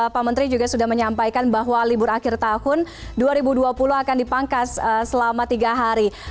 pak menteri juga sudah menyampaikan bahwa libur akhir tahun dua ribu dua puluh akan dipangkas selama tiga hari